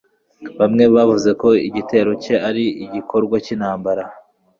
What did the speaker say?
Bamwe bavuze ko igitero cye ari igikorwa cyintambara.